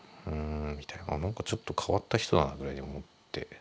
なんかちょっと変わった人だなぐらいに思って。